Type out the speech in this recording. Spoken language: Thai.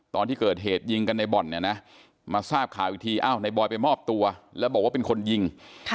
ตอนที่เกิดเหตุยิงกันในบ่อนเนี่ยนะมาทราบข่าวอีกทีอ้าวในบอยไปมอบตัวแล้วบอกว่าเป็นคนยิง